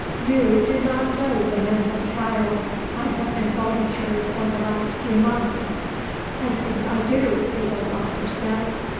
"You do not know the mental trials I have been going through for the last few months." "I think I do," the old Doctor said.